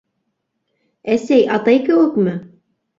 Әсәй, атай кеүекме?